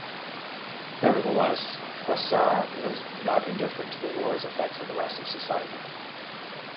Nevertheless, Froissart was not indifferent to the wars' effects on the rest of society.